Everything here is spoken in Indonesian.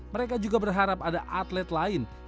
mereka juga berharap ada atlet lain yang bisa menambahkan kemampuan